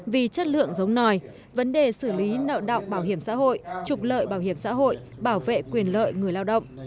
vì chất lượng giống nòi vấn đề xử lý nợ động bảo hiểm xã hội trục lợi bảo hiểm xã hội bảo vệ quyền lợi người lao động